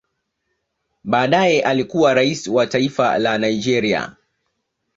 Baadaye alikuwa rais wa taifa la Nigeria